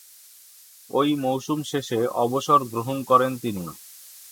ঐ মৌসুম শেষে অবসর গ্রহণ করেন তিনি।